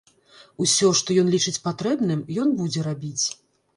Усё, што ён лічыць патрэбным, ён будзе рабіць.